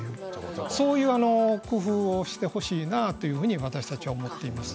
そういう工夫をしてほしいなと私たちは思っています。